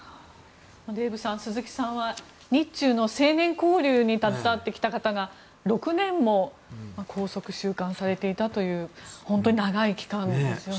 デーブさん、鈴木さんは日中の青年交流に携わってきた方が６年も拘束・収監されていたという本当に長い期間ですよね。